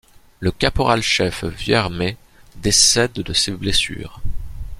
Le caporal-chef Vuillermet décède de ses blessures.